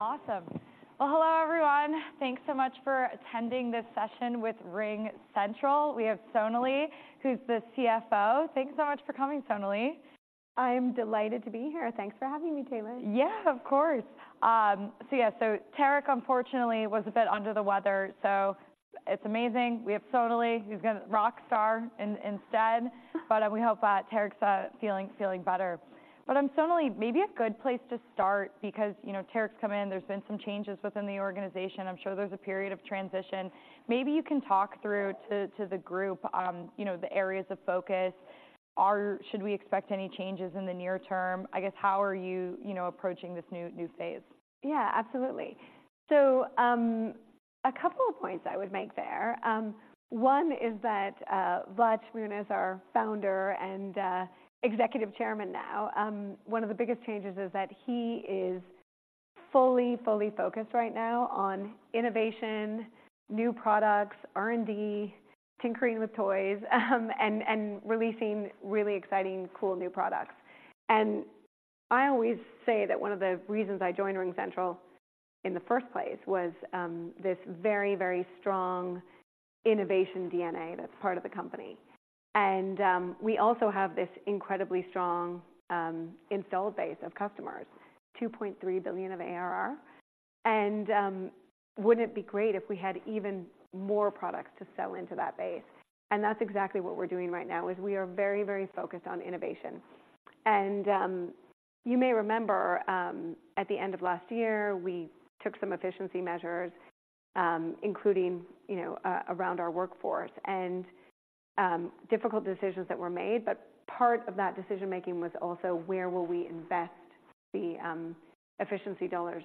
Awesome! Well, hello everyone. Thanks so much for attending this session with RingCentral. We have Sonalee, who's the CFO. Thanks so much for coming, Sonalee. I'm delighted to be here. Thanks for having me, Taylor. Yeah, of course. So yeah, so Tarek, unfortunately, was a bit under the weather. So it's amazing, we have Sonalee, who's gonna rockstar instead—but, we hope that Tarek's feeling better. But, Sonalee, maybe a good place to start because, you know, Tarek's come in, there's been some changes within the organization. I'm sure there's a period of transition. Maybe you can talk through to the group, you know, the areas of focus. Should we expect any changes in the near term? I guess, how are you, you know, approaching this new phase? Yeah, absolutely. So, a couple of points I would make there. One is that, Vlad Shmunis, our founder and, executive chairman now, one of the biggest changes is that he is fully, fully focused right now on innovation, new products, R&D, tinkering with toys, and, and releasing really exciting, cool, new products. And I always say that one of the reasons I joined RingCentral in the first place was, this very, very strong innovation DNA that's part of the company. And, we also have this incredibly strong, install base of customers, $2.3 billion of ARR. And, wouldn't it be great if we had even more products to sell into that base? And that's exactly what we're doing right now, is we are very, very focused on innovation. You may remember, at the end of last year, we took some efficiency measures, including, you know, around our workforce, and difficult decisions that were made. But part of that decision-making was also where will we invest the efficiency dollars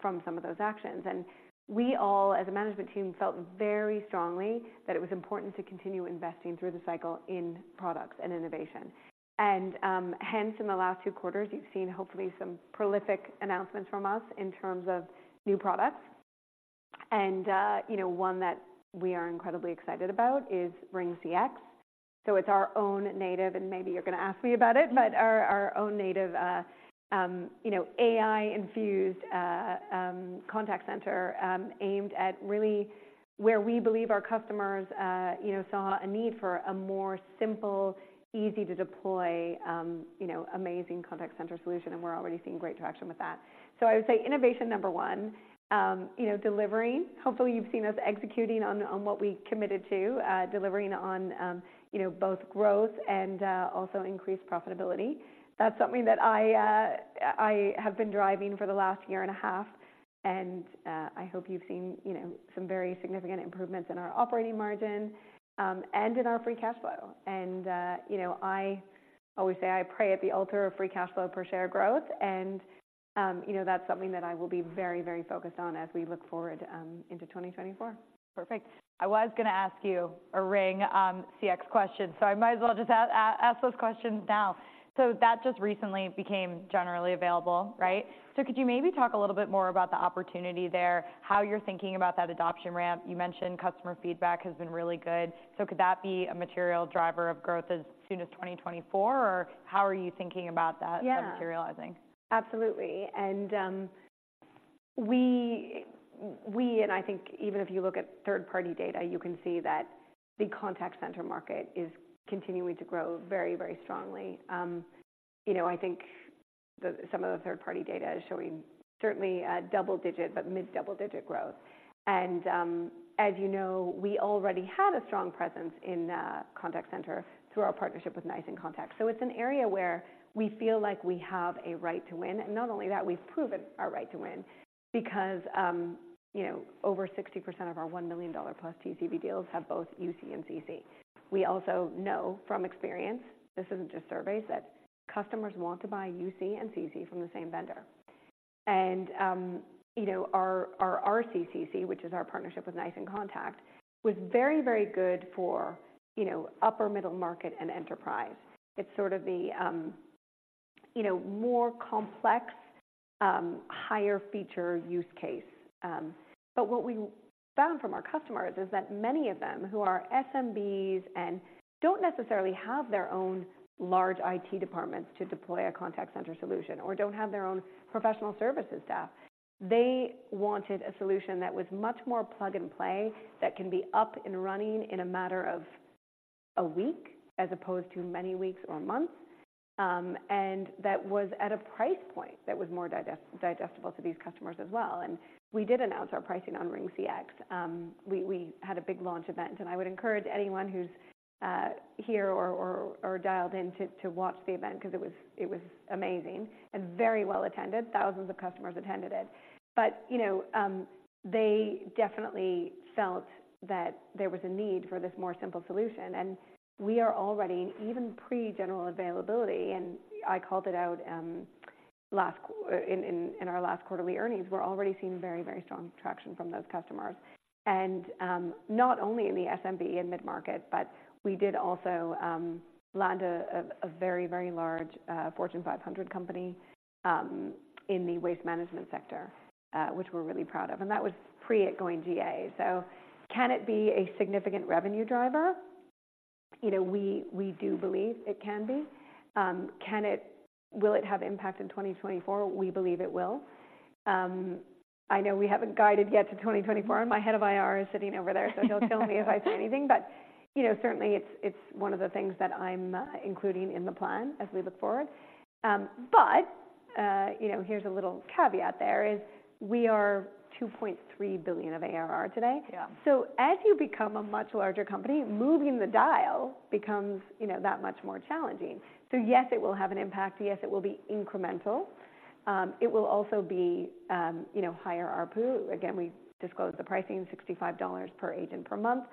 from some of those actions. And we all, as a management team, felt very strongly that it was important to continue investing through the cycle in products and innovation. And hence, in the last two quarters, you've seen, hopefully, some prolific announcements from us in terms of new products. And you know, one that we are incredibly excited about is RingCX. So it's our own native, and maybe you're gonna ask me about it, but our own native, you know, AI-infused, contact center, aimed at really where we believe our customers, you know, saw a need for a more simple, easy-to-deploy, you know, amazing contact center solution, and we're already seeing great traction with that. So I would say innovation, number one. You know, delivering. Hopefully, you've seen us executing on what we committed to, delivering on, you know, both growth and also increased profitability. That's something that I have been driving for the last year and a half, and I hope you've seen, you know, some very significant improvements in our operating margin, and in our free cash flow. You know, I always say, I pray at the altar of free cash flow per share growth, and, you know, that's something that I will be very, very focused on as we look forward into 2024. Perfect. I was gonna ask you a RingCX question, so I might as well just ask those questions now. That just recently became generally available, right? Mm-hmm. Could you maybe talk a little bit more about the opportunity there, how you're thinking about that adoption ramp? You mentioned customer feedback has been really good. Could that be a material driver of growth as soon as 2024, or how are you thinking about that? Yeah Materializing? Absolutely. And I think even if you look at third-party data, you can see that the contact center market is continuing to grow very, very strongly. You know, I think the, some of the third-party data is showing certainly a double digit, but mid-double-digit growth. And as you know, we already had a strong presence in contact center through our partnership with NICE inContact. So it's an area where we feel like we have a right to win, and not only that, we've proven our right to win because you know, over 60% of our $1 million plus TCV deals have both UC and CC. We also know from experience, this isn't just surveys, that customers want to buy UC and CC from the same vendor. And, you know, our RCCC, which is our partnership with NICE inContact, was very, very good for, you know, upper middle market and enterprise. It's sort of the, you know, more complex, higher feature use case. But what we found from our customers is that many of them, who are SMBs and don't necessarily have their own large IT departments to deploy a contact center solution or don't have their own professional services staff, they wanted a solution that was much more plug and play, that can be up and running in a matter of a week, as opposed to many weeks or months, and that was at a price point that was more digestible to these customers as well. And we did announce our pricing on RingCX. We had a big launch event, and I would encourage anyone who's here or dialed in to watch the event because it was amazing and very well attended. Thousands of customers attended it. But, you know, they definitely felt that there was a need for this more simple solution, and we are already, even pre-general availability, and I called it out in our last quarterly earnings. We're already seeing very, very strong traction from those customers. And not only in the SMB and mid-market, but we also landed a very large Fortune 500 company in the waste management sector, which we're really proud of, and that was pre it going GA. So can it be a significant revenue driver? You know, we do believe it can be. Will it have impact in 2024? We believe it will. I know we haven't guided yet to 2024, and my head of IR is sitting over there, so he'll kill me if I say anything. But, you know, certainly, it's one of the things that I'm including in the plan as we look forward. But, you know, here's a little caveat there, is we are $2.3 billion of ARR today. Yeah. So as you become a much larger company, moving the dial becomes, you know, that much more challenging. So yes, it will have an impact. Yes, it will be incremental. It will also be, you know, higher ARPU. Again, we disclosed the pricing, $65 per agent per month,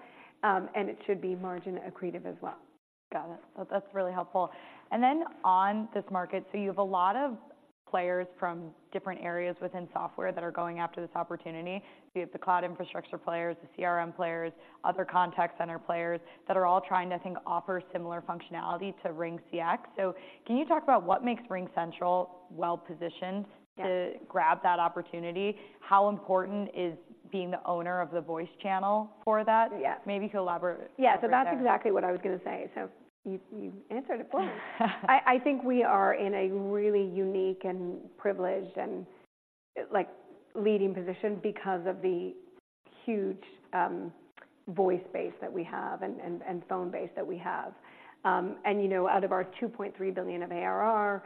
and it should be margin accretive as well. Got it. So that's really helpful. And then, on this market, so you have a lot of players from different areas within software that are going after this opportunity. You have the cloud infrastructure players, the CRM players, other contact center players that are all trying to, I think, offer similar functionality to RingCX. So can you talk about what makes RingCentral well-positioned- Yeah to grab that opportunity? How important is being the owner of the voice channel for that? Yeah. Maybe elaborate. Yeah, so that's exactly what I was gonna say. So you, you answered it well. I, I think we are in a really unique and privileged and, like, leading position because of the huge voice base that we have and, and phone base that we have. And, you know, out of our $2.3 billion of ARR,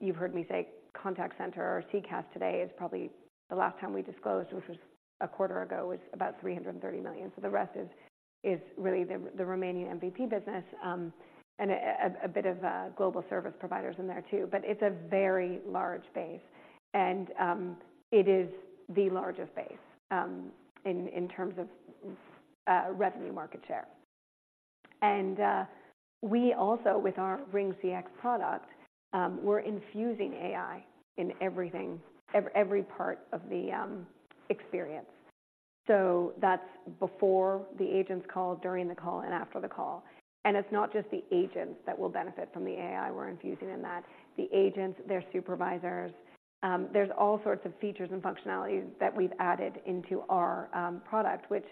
you've heard me say contact center or CCaaS today, is probably the last time we disclosed, which was a quarter ago, was about $330 million. So the rest is, is really the, the remaining MVP business, and a bit of global service providers in there too. But it's a very large base, and it is the largest base, in, in terms of revenue market share. We also, with our RingCX product, we're infusing AI in everything, every part of the experience. So that's before the agent's call, during the call, and after the call. And it's not just the agents that will benefit from the AI we're infusing in that. The agents, their supervisors, there's all sorts of features and functionalities that we've added into our product, which,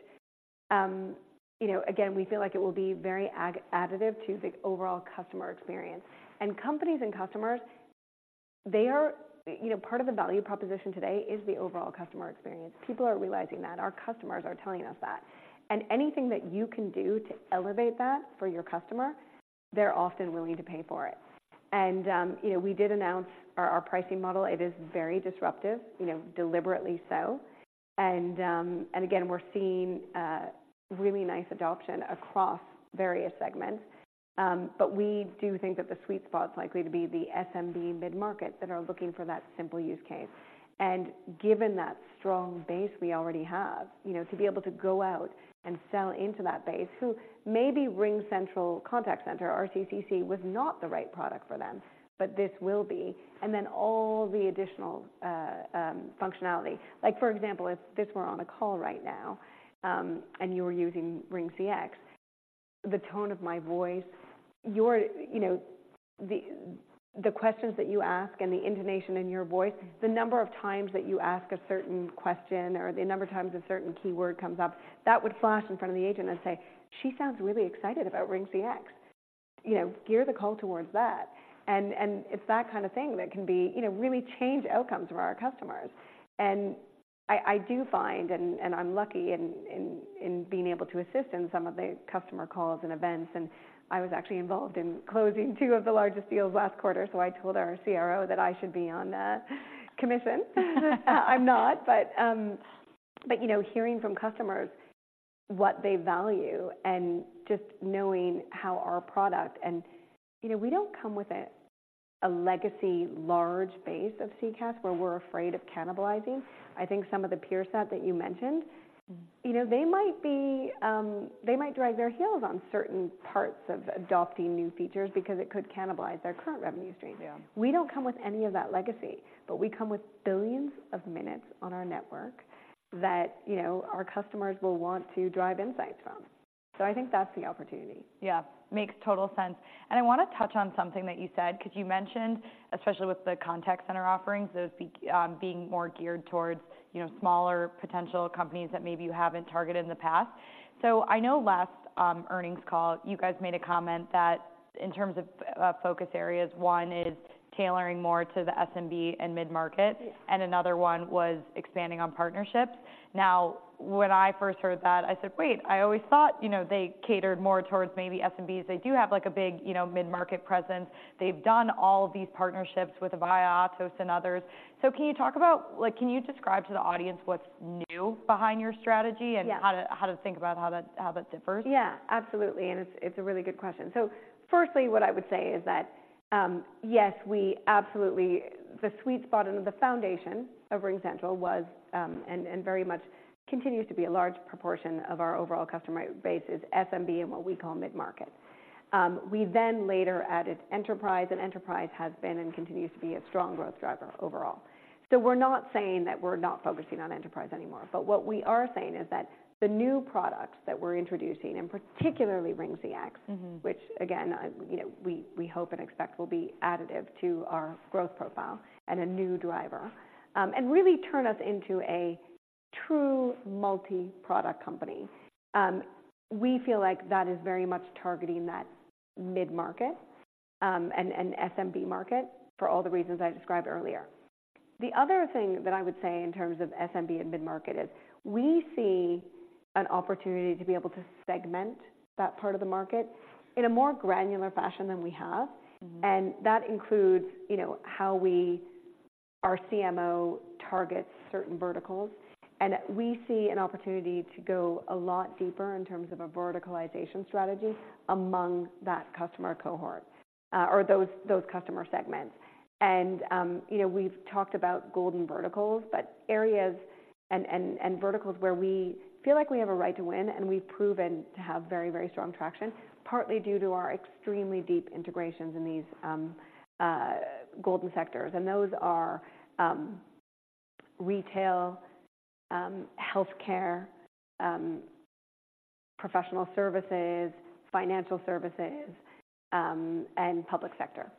you know, again, we feel like it will be very additive to the overall customer experience. And companies and customers, they are... You know, part of the value proposition today is the overall customer experience. People are realizing that. Our customers are telling us that. And anything that you can do to elevate that for your customer, they're often willing to pay for it. And, you know, we did announce our pricing model. It is very disruptive, you know, deliberately so. And again, we're seeing, really nice adoption across various segments. But we do think that the sweet spot is likely to be the SMB mid-market that are looking for that simple use case. And given that strong base we already have, you know, to be able to go out and sell into that base, who maybe RingCentral Contact Center, RCC, was not the right product for them, but this will be, and then all the additional, functionality. Like, for example, if this were on a call right now, and you were using RingCX, the tone of my voice, you know, the questions that you ask and the intonation in your voice, the number of times that you ask a certain question, or the number of times a certain keyword comes up, that would flash in front of the agent and say, "She sounds really excited about RingCX." You know, gear the call towards that. And it's that kind of thing that can be, you know, really change outcomes for our customers. And I do find, and I'm lucky in being able to assist in some of the customer calls and events, and I was actually involved in closing two of the largest deals last quarter, so I told our CRO that I should be on commission. I'm not, but you know, hearing from customers what they value and just knowing how our product... You know, we don't come with a legacy, large base of CCaaS, where we're afraid of cannibalizing. I think some of the peer set that you mentioned, you know, they might drag their heels on certain parts of adopting new features because it could cannibalize their current revenue stream. Yeah. We don't come with any of that legacy, but we come with billions of minutes on our network that, you know, our customers will want to drive insights from. So I think that's the opportunity. Yeah, makes total sense. And I wanna touch on something that you said, 'cause you mentioned, especially with the contact center offerings, those being more geared towards, you know, smaller potential companies that maybe you haven't targeted in the past. So I know last earnings call, you guys made a comment that in terms of focus areas, one is tailoring more to the SMB and mid-market- Yeah And another one was expanding on partnerships. Now, when I first heard that, I said, "Wait, I always thought, you know, they catered more towards maybe SMBs." They do have, like, a big, you know, mid-market presence. They've done all these partnerships with Avaya, Atos, and others. So can you talk about, like, can you describe to the audience what's new behind your strategy- Yeah And how to think about how that differs? Yeah, absolutely, and it's, it's a really good question. So firstly, what I would say is that, yes, we absolutely—the sweet spot and the foundation of RingCentral was, and, and very much continues to be a large proportion of our overall customer base, is SMB and what we call mid-market. We then later added enterprise, and enterprise has been and continues to be a strong growth driver overall. So we're not saying that we're not focusing on enterprise anymore, but what we are saying is that the new products that we're introducing, and particularly RingCX— Mm-hmm Which again, you know, we, we hope and expect will be additive to our growth profile and a new driver, and really turn us into a true multi-product company. We feel like that is very much targeting that mid-market, and, and SMB market for all the reasons I described earlier. The other thing that I would say in terms of SMB and mid-market is we see an opportunity to be able to segment that part of the market in a more granular fashion than we have. Mm-hmm. That includes, you know, how we, our CMO targets certain verticals, and we see an opportunity to go a lot deeper in terms of a verticalization strategy among that customer cohort, or those customer segments. And, you know, we've talked about golden verticals, but areas and verticals where we feel like we have a right to win, and we've proven to have very, very strong traction, partly due to our extremely deep integrations in these golden sectors. And those are retail, healthcare, professional services, financial services, and public sector.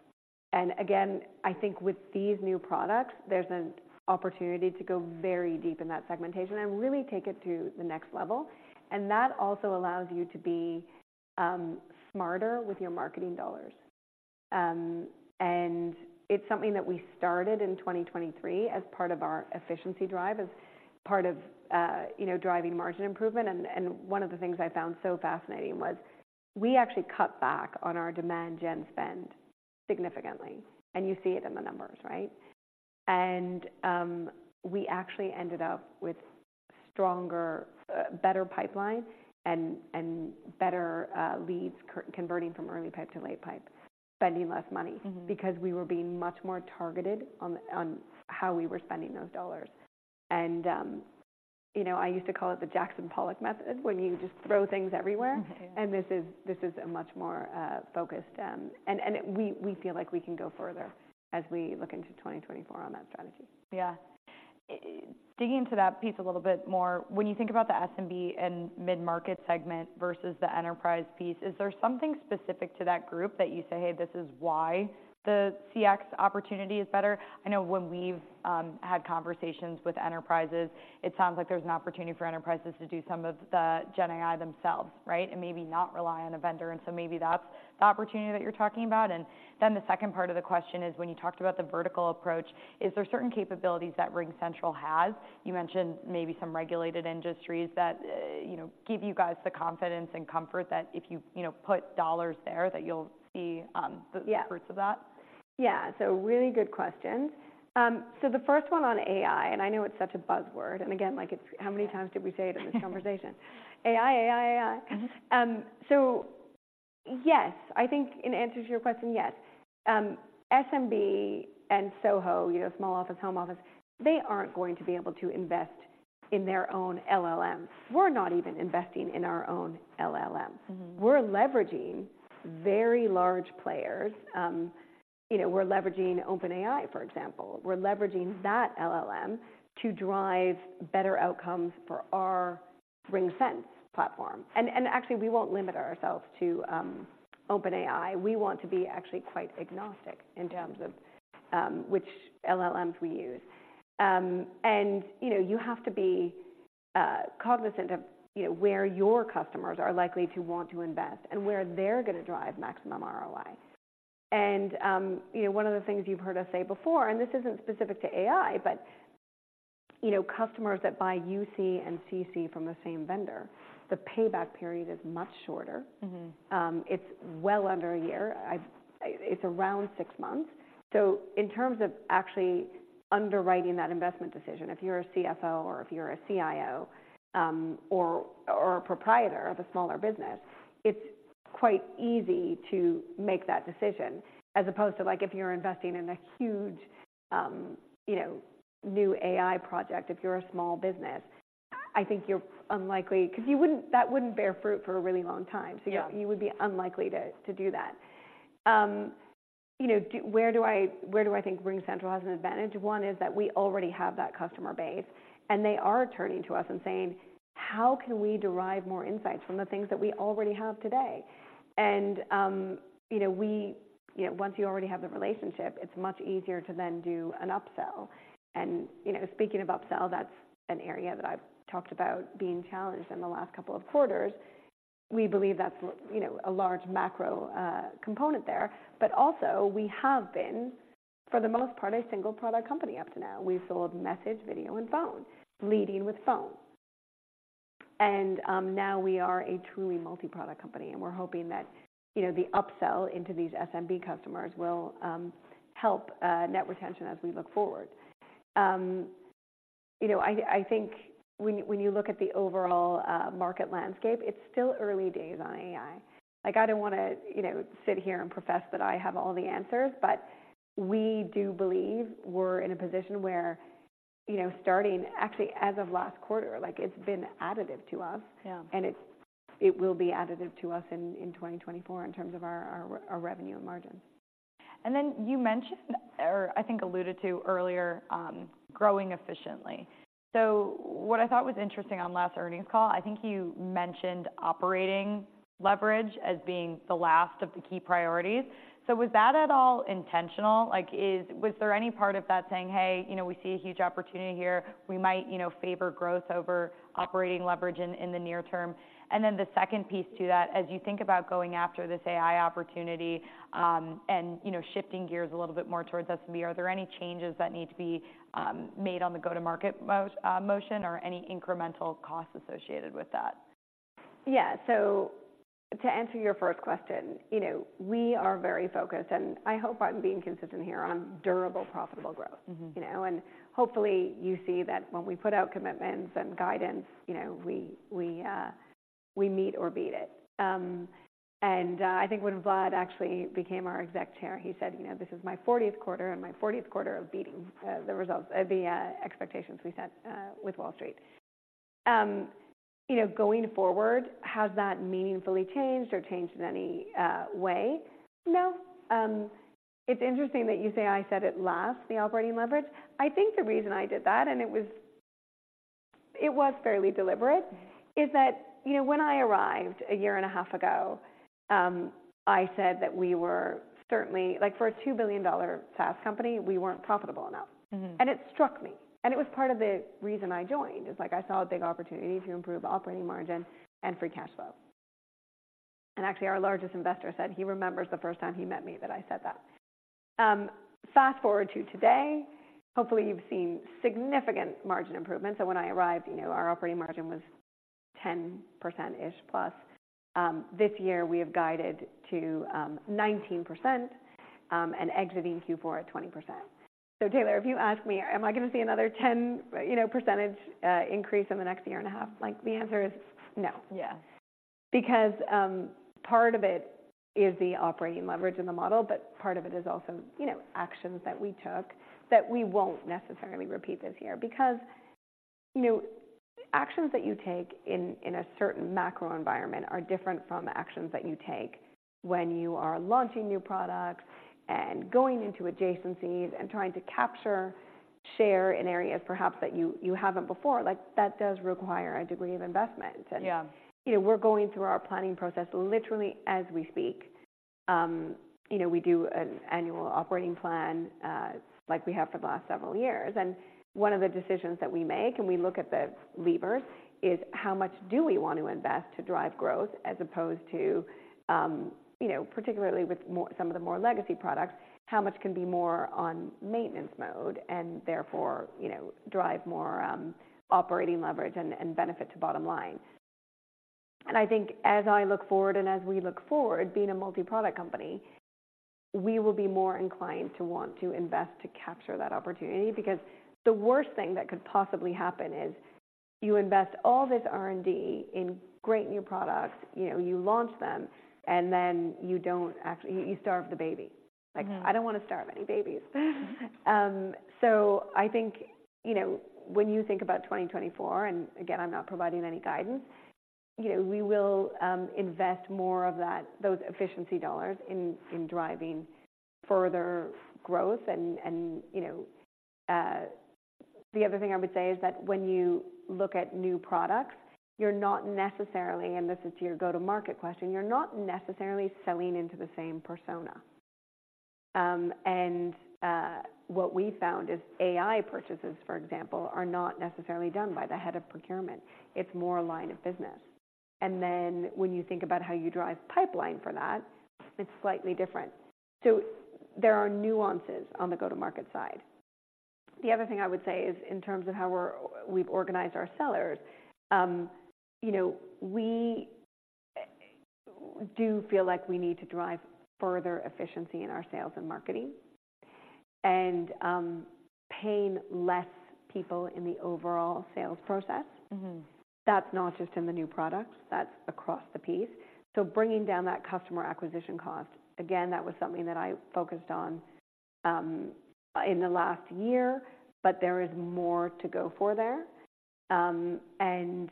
And again, I think with these new products, there's an opportunity to go very deep in that segmentation and really take it to the next level. And that also allows you to be smarter with your marketing dollars. It's something that we started in 2023 as part of our efficiency drive, as part of, you know, driving margin improvement. And one of the things I found so fascinating was we actually cut back on our demand gen spend significantly, and you see it in the numbers, right? And we actually ended up with stronger, better pipeline and better leads converting from early pipe to late pipe, spending less money. Mm-hmm. Because we were being much more targeted on how we were spending those dollars. You know, I used to call it the Jackson Pollock method, when you just throw things everywhere. Mm-hmm. This is a much more focused. And we feel like we can go further as we look into 2024 on that strategy. Yeah. Digging into that piece a little bit more, when you think about the SMB and mid-market segment versus the enterprise piece, is there something specific to that group that you say: "Hey, this is why the CX opportunity is better?" I know when we've had conversations with enterprises, it sounds like there's an opportunity for enterprises to do some of the GenAI themselves, right? And maybe not rely on a vendor, and so maybe that's the opportunity that you're talking about. And then the second part of the question is, when you talked about the vertical approach, is there certain capabilities that RingCentral has? You mentioned maybe some regulated industries that you know give you guys the confidence and comfort that if you you know put dollars there, that you'll see the- Yeah Fruits of that? Yeah. So really good questions. So the first one on AI, and I know it's such a buzzword, and again, like, it's how many times did we say it in this conversation? AI. Mm-hmm. So yes, I think in answer to your question, yes. SMB and SOHO, you know, small office, home office, they aren't going to be able to invest in their own LLMs. We're not even investing in our own LLMs. Mm-hmm. We're leveraging very large players. You know, we're leveraging OpenAI, for example. We're leveraging that LLM to drive better outcomes for our RingSense platform. And actually, we won't limit ourselves to OpenAI. We want to be actually quite agnostic in terms of which LLMs we use. And you know, you have to be cognizant of you know, where your customers are likely to want to invest and where they're gonna drive maximum ROI. And you know, one of the things you've heard us say before, and this isn't specific to AI, but you know, customers that buy UC and CC from the same vendor, the payback period is much shorter. Mm-hmm. It's well under a year. It's around six months. So in terms of actually underwriting that investment decision, if you're a CFO or if you're a CIO, or a proprietor of a smaller business, it's quite easy to make that decision as opposed to, like, if you're investing in a huge, you know, new AI project. If you're a small business, I think you're unlikely... 'cause you wouldn't- that wouldn't bear fruit for a really long time. Yeah. So you would be unlikely to do that. You know, where do I, where do I think RingCentral has an advantage? One is that we already have that customer base, and they are turning to us and saying, "How can we derive more insights from the things that we already have today?" And, you know, we, you know, once you already have the relationship, it's much easier to then do an upsell. And, you know, speaking of upsell, that's an area that I've talked about being challenged in the last couple of quarters. We believe that's, you know, a large macro component there. But also, we have been, for the most part, a single product company up to now. We've sold message, video, and phone, leading with phone. Now we are a truly multi-product company, and we're hoping that, you know, the upsell into these SMB customers will help net retention as we look forward. You know, I think when you look at the overall market landscape, it's still early days on AI. Like, I don't wanna, you know, sit here and profess that I have all the answers, but we do believe we're in a position where, you know, starting actually as of last quarter, like, it's been additive to us. Yeah. And it will be additive to us in 2024 in terms of our revenue and margins. Then you mentioned, or I think alluded to earlier, growing efficiently. So what I thought was interesting on last earnings call, I think you mentioned operating leverage as being the last of the key priorities. So was that at all intentional? Like, was there any part of that saying, "Hey, you know, we see a huge opportunity here. We might, you know, favor growth over operating leverage in the near term?" Then the second piece to that, as you think about going after this AI opportunity, and you know, shifting gears a little bit more towards SMB, are there any changes that need to be made on the go-to-market motion or any incremental costs associated with that? Yeah. So to answer your first question, you know, we are very focused, and I hope I'm being consistent here on durable, profitable growth. Mm-hmm. You know, and hopefully, you see that when we put out commitments and guidance, you know, we meet or beat it. I think when Vlad actually became our exec chair, he said, "You know, this is my 40th quarter, and my 40th quarter of beating the results, the expectations we set with Wall Street." You know, going forward, has that meaningfully changed or changed in any way? No. It's interesting that you say I said it last, the operating leverage. I think the reason I did that, and it was. It was fairly deliberate, is that, you know, when I arrived a year and a half ago, I said that we were certainly like, for a $2 billion SaaS company, we weren't profitable enough. Mm-hmm. It struck me, and it was part of the reason I joined, is like, I saw a big opportunity to improve operating margin and free cash flow. Actually, our largest investor said he remembers the first time he met me, that I said that. Fast-forward to today, hopefully, you've seen significant margin improvements, and when I arrived, you know, our operating margin was 10%-ish plus. This year we have guided to 19%, and exiting Q4 at 20%. Taylor, if you ask me, am I gonna see another 10, you know, percentage increase in the next year and a half? Like, the answer is no. Yeah. Because, part of it is the operating leverage in the model, but part of it is also, you know, actions that we took that we won't necessarily repeat this year. Because, you know, actions that you take in a certain macro environment are different from actions that you take when you are launching new products and going into adjacencies and trying to capture share in areas perhaps that you haven't before. Like, that does require a degree of investment, and- Yeah You know, we're going through our planning process literally as we speak. You know, we do an annual operating plan, like we have for the last several years, and one of the decisions that we make, and we look at the levers, is: how much do we want to invest to drive growth as opposed to, you know, particularly with some of the more legacy products, how much can be more on maintenance mode and therefore, you know, drive more, operating leverage and benefit to bottom line? I think as I look forward and as we look forward, being a multi-product company, we will be more inclined to want to invest to capture that opportunity, because the worst thing that could possibly happen is you invest all this R&D in great new products, you know, you launch them, and then you don't actually... You, you starve the baby. Mm-hmm. Like, I don't wanna starve any babies. Mm-hmm. So I think, you know, when you think about 2024, and again, I'm not providing any guidance, you know, we will invest more of those efficiency dollars in driving further growth. And, you know, the other thing I would say is that when you look at new products, you're not necessarily, and this is to your go-to-market question, you're not necessarily selling into the same persona. And what we found is AI purchases, for example, are not necessarily done by the head of procurement. It's more a line of business. And then when you think about how you drive pipeline for that, it's slightly different. So there are nuances on the go-to-market side. The other thing I would say is in terms of how we've organized our sellers, you know, we do feel like we need to drive further efficiency in our sales and marketing, and paying less people in the overall sales process. Mm-hmm. That's not just in the new products. That's across the piece. So bringing down that customer acquisition cost, again, that was something that I focused on in the last year, but there is more to go for there. And,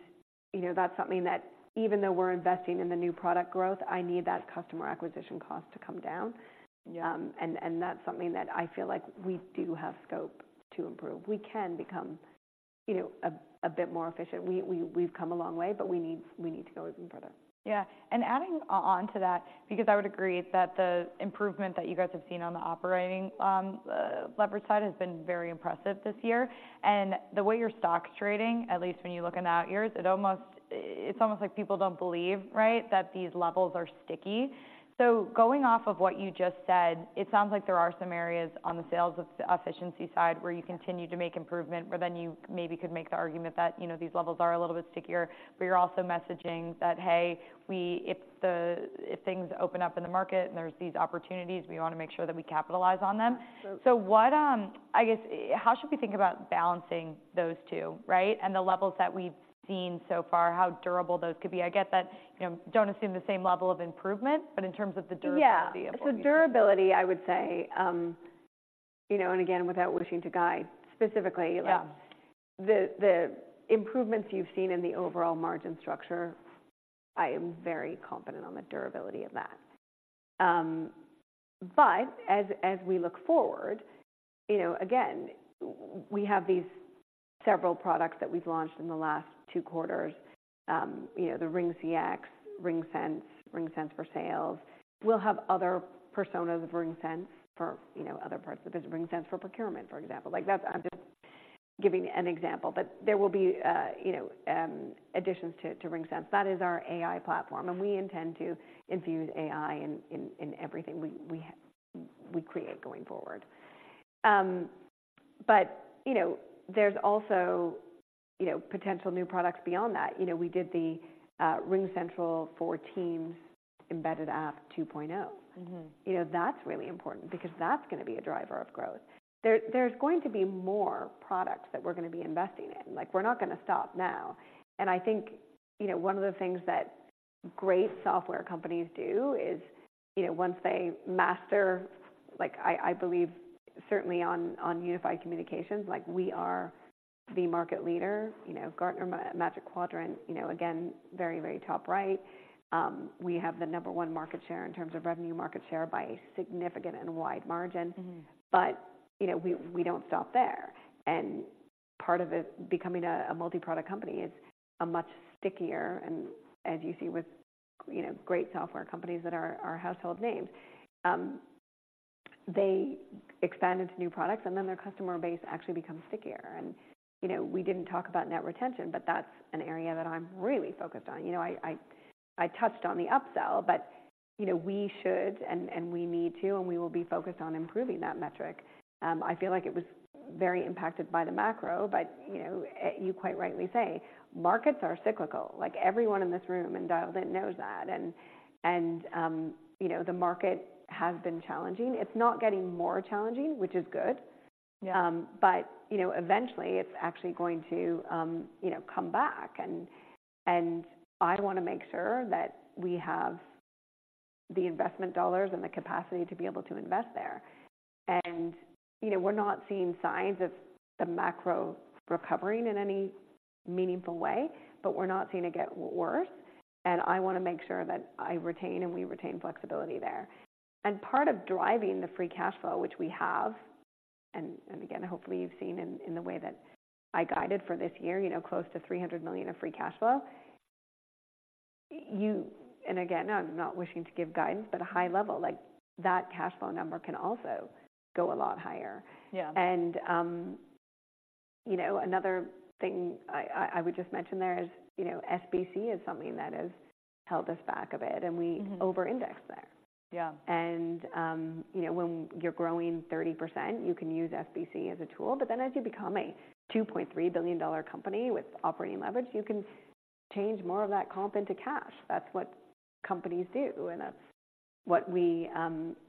you know, that's something that even though we're investing in the new product growth, I need that customer acquisition cost to come down. Yeah. That's something that I feel like we do have scope to improve. We can become, you know, a bit more efficient. We've come a long way, but we need to go even further. Yeah, and adding on to that, because I would agree that the improvement that you guys have seen on the operating leverage side has been very impressive this year. And the way your stock's trading, at least when you look in the out years, it almost, it's almost like people don't believe, right, that these levels are sticky. So going off of what you just said, it sounds like there are some areas on the sales efficiency side where you continue to make improvement, where then you maybe could make the argument that, you know, these levels are a little bit stickier, but you're also messaging that, "Hey, we- if things open up in the market and there's these opportunities, we wanna make sure that we capitalize on them. Sure. So what, I guess, how should we think about balancing those two, right? And the levels that we've seen so far, how durable those could be. I get that, you know, don't assume the same level of improvement, but in terms of the durability of- Yeah. So durability, I would say, You know, and again, without wishing to guide specifically- Yeah. Like, the improvements you've seen in the overall margin structure, I am very confident on the durability of that. But as we look forward, you know, again, we have these several products that we've launched in the last two quarters. You know, the RingCX, RingSense, RingSense for Sales. We'll have other personas of RingSense for, you know, other parts of the business. RingSense for procurement, for example. Like, that's—I'm just giving an example, but there will be, you know, additions to RingSense. That is our AI platform, and we intend to infuse AI in everything we create going forward. But, you know, there's also, you know, potential new products beyond that. You know, we did the RingCentral for Teams embedded app 2.0. Mm-hmm. You know, that's really important because that's gonna be a driver of growth. There's going to be more products that we're gonna be investing in. Like, we're not gonna stop now, and I think, you know, one of the things that great software companies do is, you know, once they master... Like, I believe certainly on unified communications, like, we are the market leader. You know, Gartner Magic Quadrant, you know, again, very, very top right. We have the number one market share in terms of revenue market share by a significant and wide margin. Mm-hmm. But, you know, we don't stop there, and part of it becoming a multiproduct company is a much stickier, and as you see with, you know, great software companies that are household names, they expand into new products, and then their customer base actually becomes stickier. And, you know, we didn't talk about net retention, but that's an area that I'm really focused on. You know, I touched on the upsell, but, you know, we should, and we need to, and we will be focused on improving that metric. I feel like it was very impacted by the macro, but, you know, you quite rightly say, markets are cyclical. Like, everyone in this room in dial-in knows that. And, you know, the market has been challenging. It's not getting more challenging, which is good. Yeah. But, you know, eventually it's actually going to, you know, come back, and I wanna make sure that we have the investment dollars and the capacity to be able to invest there. And, you know, we're not seeing signs of the macro recovering in any meaningful way, but we're not seeing it get worse, and I wanna make sure that I retain, and we retain flexibility there. And part of driving the free cash flow, which we have, and again, hopefully you've seen in the way that I guided for this year, you know, close to $300 million of free cash flow, and again, I'm not wishing to give guidance, but a high level, like, that cash flow number can also go a lot higher. Yeah. You know, another thing I would just mention there is, you know, SBC is something that has held us back a bit, and we- Mm-hmm Over-indexed there. Yeah. You know, when you're growing 30%, you can use SBC as a tool, but then as you become a $2.3 billion company with operating leverage, you can change more of that comp into cash. That's what companies do, and that's what we,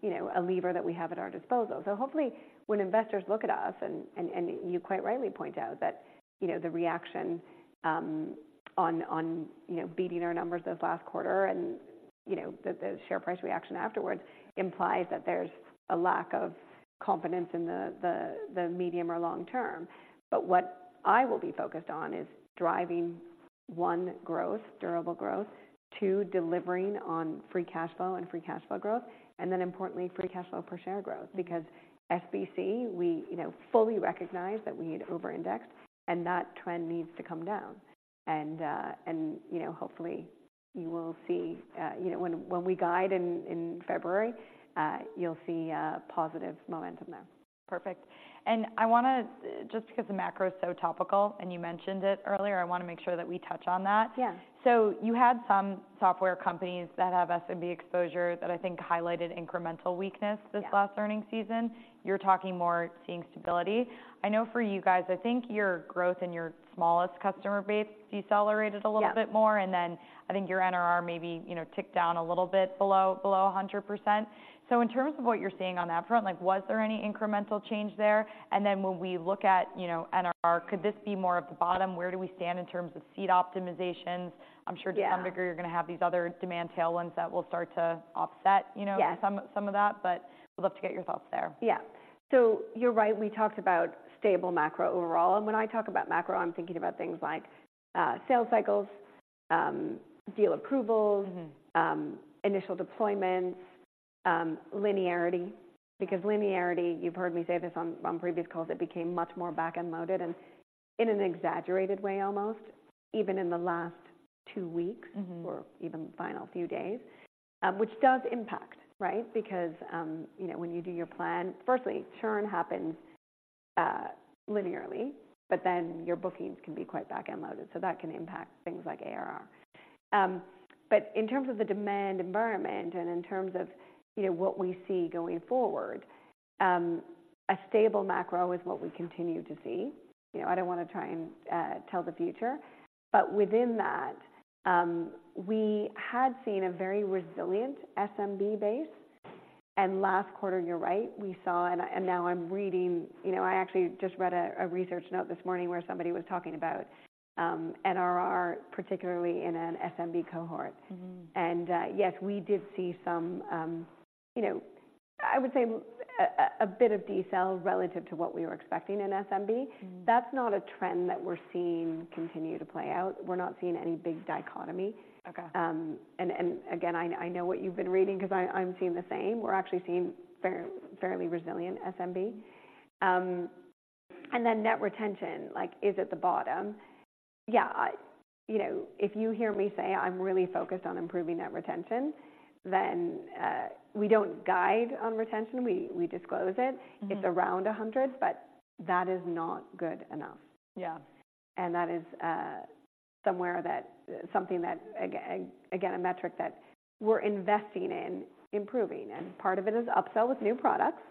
you know, a lever that we have at our disposal. So hopefully, when investors look at us, and, and, and you quite rightly point out that, you know, the reaction on, on, you know, beating our numbers this last quarter and, you know, the, the share price reaction afterwards implies that there's a lack of confidence in the, the, the medium or long term. But what I will be focused on is driving, one, growth, durable growth. Two, delivering on free cash flow and free cash flow growth. And then importantly, free cash flow per share growth. Because SBC, we, you know, fully recognize that we had over-indexed, and that trend needs to come down. And, you know, hopefully you will see, you know, when we guide in February, you'll see positive momentum there. Perfect. And I wanna, just because the macro is so topical, and you mentioned it earlier, I wanna make sure that we touch on that. Yeah. So you had some software companies that have SMB exposure that I think highlighted incremental weakness- Yeah This last earnings season. You're talking more seeing stability. I know for you guys, I think your growth in your smallest customer base decelerated a little bit more- Yeah And then I think your NRR maybe, you know, ticked down a little bit below, below 100%. So in terms of what you're seeing on that front, like, was there any incremental change there? And then when we look at, you know, NRR, could this be more of the bottom? Where do we stand in terms of seat optimizations? Yeah. I'm sure to some degree, you're gonna have these other demand tailwinds that will start to offset, you know- Yeah Some, some of that, but would love to get your thoughts there. Yeah. So you're right, we talked about stable macro overall, and when I talk about macro, I'm thinking about things like, sales cycles, deal approvals- Mm-hmm Initial deployments, linearity. Because linearity, you've heard me say this on previous calls, it became much more back-end loaded and in an exaggerated way almost, even in the last two weeks- Mm-hmm Or even final few days, which does impact, right? Because, you know, when you do your plan, firstly, churn happens, linearly, but then your bookings can be quite back-end loaded, so that can impact things like ARR. But in terms of the demand environment and in terms of, you know, what we see going forward, a stable macro is what we continue to see. You know, I don't wanna try and, tell the future, but within that, we had seen a very resilient SMB base, and last quarter, you're right, we saw, and now I'm reading... You know, I actually just read a research note this morning where somebody was talking about, NRR, particularly in an SMB cohort. Mm-hmm. And yes, we did see some, you know, I would say a bit of decel relative to what we were expecting in SMB. Mm-hmm. That's not a trend that we're seeing continue to play out. We're not seeing any big dichotomy. Okay. And again, I know what you've been reading 'cause I'm seeing the same. We're actually seeing fairly resilient SMB. And then net retention, like, is at the bottom. Yeah. You know, if you hear me say I'm really focused on improving net retention, then we don't guide on retention. We disclose it. Mm-hmm. It's around 100, but that is not good enough. Yeah. That is something that, again, a metric that we're investing in improving, and part of it is upsell with new products,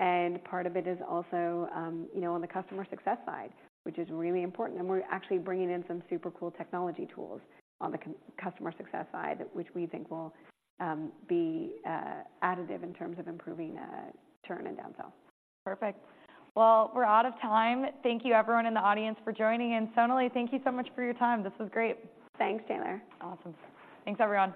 and part of it is also, you know, on the customer success side, which is really important. We're actually bringing in some super cool technology tools on the customer success side, which we think will be additive in terms of improving churn and downsell. Perfect. Well, we're out of time. Thank you everyone in the audience for joining, and Sonalee, thank you so much for your time. This was great. Thanks, Taylor. Awesome. Thanks, everyone.